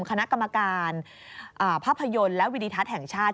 คณะกรรมการภาพยนตร์และวิดิทัศน์แห่งชาติ